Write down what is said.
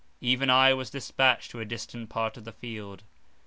Even I was dispatched to a distant part of the field.